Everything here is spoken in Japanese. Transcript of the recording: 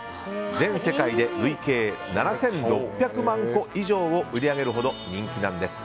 全世界で累計７６００万個以上を売り上げるほど人気なんです。